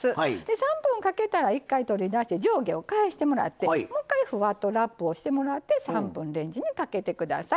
３分かけたら、一回取り出して上下を返してもらってもう一回ふわっとラップをしてもらって３分、レンジにかけてください。